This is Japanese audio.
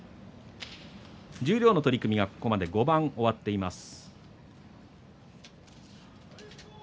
十両の取組が、ここまで５番終わっています。